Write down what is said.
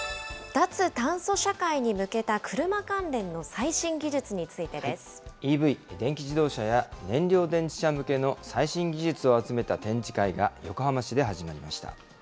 脱炭素社会に向けた車関連の最新ＥＶ・電気自動車や、燃料電池車向けの最新技術を集めた展示会が横浜市で始まりました。